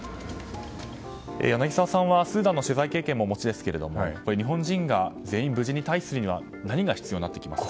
柳澤さんはスーダンへの取材経験もお持ちですが日本人が全員無事に退避するためには何が必要だと思いますか？